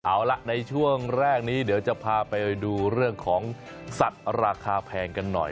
เอาล่ะในช่วงแรกนี้เดี๋ยวจะพาไปดูเรื่องของสัตว์ราคาแพงกันหน่อย